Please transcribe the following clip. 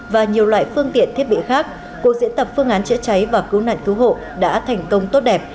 và nhiều loại phương tiện thiết bị khác cuộc diễn tập phương án chữa cháy và cứu nạn cứu hộ đã thành công tốt đẹp